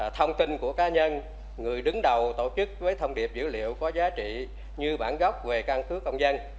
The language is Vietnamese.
thông tin của cá nhân người đứng đầu tổ chức với thông điệp dữ liệu có giá trị như bản gốc về căn cước công dân